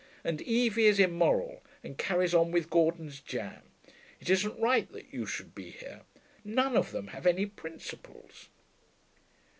And Evie is immoral, and carries on with Gordon's jam. It isn't right that you should be here. None of them have any principles.'